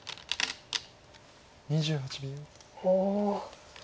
２８秒。